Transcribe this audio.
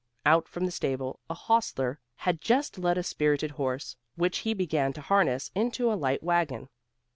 Out from the stable, a hostler had just led a spirited horse, which he began to harness into a light wagon.